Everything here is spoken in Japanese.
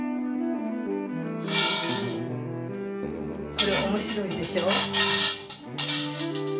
これ面白いでしょう。